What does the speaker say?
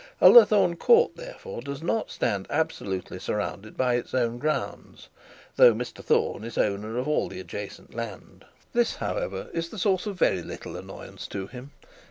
Ullathorne Court, therefore, does not stand absolutely surrounded by its own grounds, though Mr Thorne is owner of all the adjacent land. This, however, is the source of very little annoyance to him.